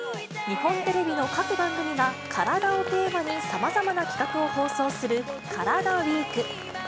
日本テレビの各番組が、カラダをテーマに、さまざまな企画を放送するカラダＷＥＥＫ。